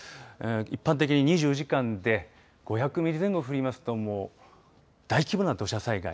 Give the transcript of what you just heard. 一般的に２４時間で５００ミリ前後、降りますともう大規模な土砂災害。